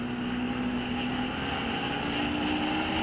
รู้สึกว่าบิดแล้วนะฮะ